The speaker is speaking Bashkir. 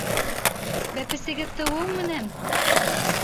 Бәпесегеҙ тыуыу менән!